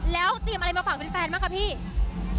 แล้วเตรียมอะไรมาฝากเพื่อนบ้างครับครับ